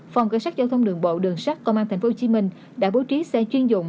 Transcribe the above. phòng cảnh sát giao thông đường bộ đường sát công an tp hcm đã bố trí xe chuyên dụng